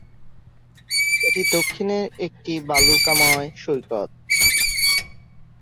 এটি দক্ষিণে একটি বালুকাময় সৈকত।